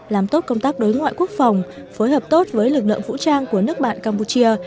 làm tốt công tác đối ngoại quốc phòng phối hợp tốt với lực lượng vũ trang của nước bạn campuchia